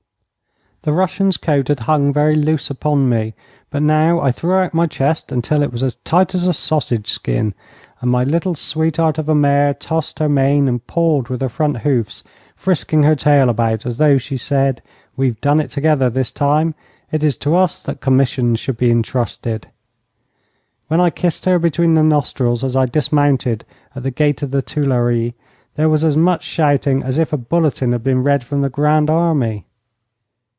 The Russian's coat had hung very loose upon me, but now I threw out my chest until it was as tight as a sausage skin. And my little sweetheart of a mare tossed her mane and pawed with her front hoofs, frisking her tail about as though she said, 'We've done it together this time. It is to us that commissions should be intrusted.' When I kissed her between the nostrils as I dismounted at the gate of the Tuileries, there was as much shouting as if a bulletin had been read from the Grand Army.